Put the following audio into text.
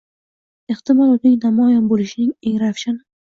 ehtimol uning namoyon bo‘lishining eng ravshani